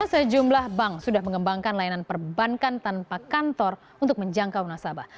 sejumlah bank sudah mengembangkan layanan perbankan tanpa kantor untuk menjangkau nasabah